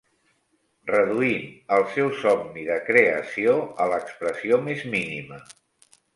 Reduint el seu somni de creació a l'expressió més mínima.